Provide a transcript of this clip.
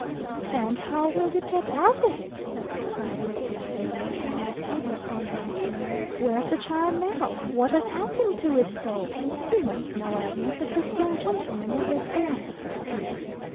"And how will you get out of it?" cried Mrs. Failing, turning the tables on him. "Where's the child now? What has happened to its soul? You must know, Agnes, that this young gentleman is a philosopher."